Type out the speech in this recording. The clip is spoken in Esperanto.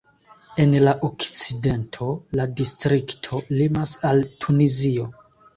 En la okcidento la distrikto limas al Tunizio.